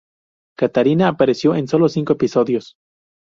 Katarina apareció en sólo cinco episodios.